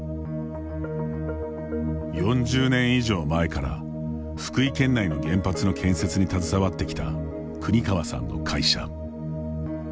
４０年以上前から福井県内の原発の建設に携わってきた国川さんの会社。